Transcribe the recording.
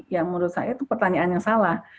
yang menurut saya itu pertanyaannya salah